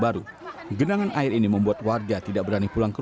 rumahnya sini pak